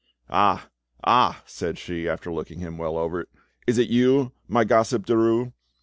"Ah! ah!" said she, after looking him well over, "is it you, my gossip Derues!